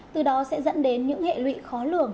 từ đó sẽ dẫn đến những hệ lụy khó lường